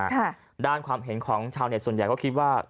ค่ะด้านความเห็นของชาวเน็ตส่วนใหญ่ก็คิดว่า